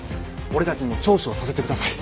俺たちにも聴取をさせてください。